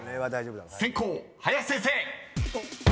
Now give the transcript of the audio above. ［先攻林先生］